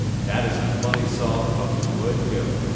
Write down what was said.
dat 'uz a funny song fum de wud go.